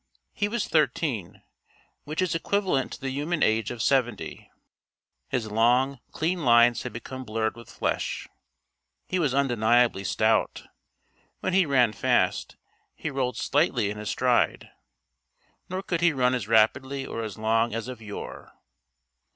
He was thirteen which is equivalent to the human age of seventy. His long, clean lines had become blurred with flesh. He was undeniably stout. When he ran fast, he rolled slightly in his stride. Nor could he run as rapidly or as long as of yore.